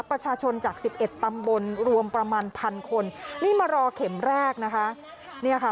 ประชาชนจาก๑๑ตำบลรวมประมาณ๑๐๐๐คนนี่มารอเข็มแรกนะคะ